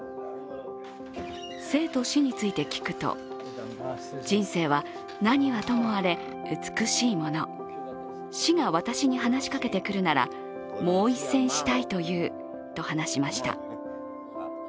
生と死について聞くと人生は、何はともあれ美しいもの、死が私に話しかけてくるならもう一戦しいと言うと話しました。